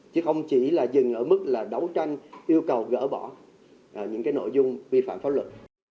chứ không chỉ là dừng ở mức là đấu tranh yêu cầu gỡ bỏ những cái nội dung vi phạm pháp luật